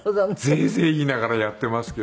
ゼイゼイ言いながらやっていますけど。